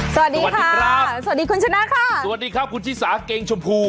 สวัสดีครับสวัสดีคุณชนะค่ะสวัสดีครับคุณชิสาเกงชมพู